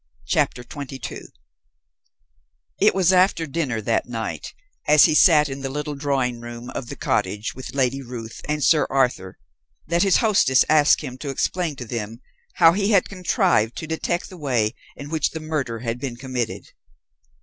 CHAPTER XXII It was after dinner that night, as he sat in the little drawing room of the cottage with Lady Ruth and Sir Arthur, that his hostess asked him to explain to them how he had contrived to detect the way in which the murder had been committed.